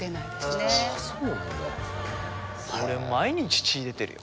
俺毎日血出てるよ。